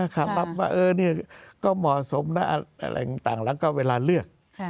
รับว่าก็เหมาะสมนะอะไรต่างแล้วก็เวลาเลือก